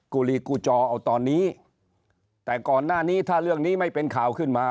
ลีกูจอเอาตอนนี้แต่ก่อนหน้านี้ถ้าเรื่องนี้ไม่เป็นข่าวขึ้นมา